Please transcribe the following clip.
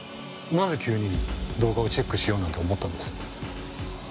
なぜ急に動画をチェックしようなんて思ったんです？